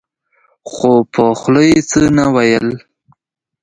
خو په خوله يې څه نه ويل.